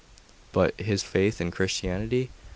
But his faith in Christianity?